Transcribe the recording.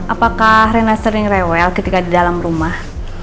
apakah rena sering rewel ketika di dalam rumah